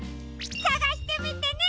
さがしてみてね！